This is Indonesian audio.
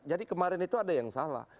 jadi kemarin itu ada yang salah